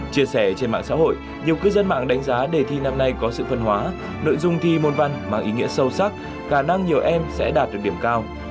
chia sẻ trên mạng xã hội nhiều cư dân mạng đánh giá đề thi năm nay có sự phân hóa nội dung thi môn văn mang ý nghĩa sâu sắc khả năng nhiều em sẽ đạt được điểm cao